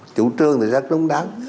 chủ trương thì rất đúng đắn